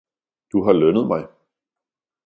Du har lønnet mig!